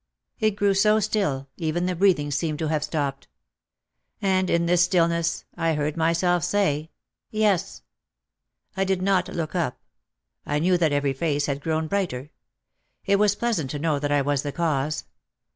It grew so still, even the breathing seemed to have stopped. And in this stillness I heard myself say, "Yes." I did not look up. I knew that every face had grown brighter. It was pleasant to know that I was the cause.